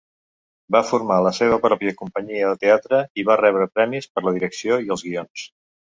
Va formar la seva pròpia companyia de teatre i va rebre premis per la direcció i els guions.